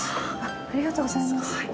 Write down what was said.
ありがとうございます。